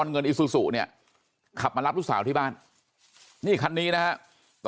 แล้วก็ยัดลงถังสีฟ้าขนาด๒๐๐ลิตร